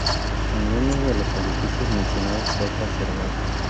Ninguno de los edificios mencionados se ha conservado.